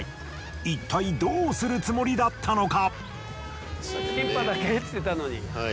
いったいどうするつもりだったのか？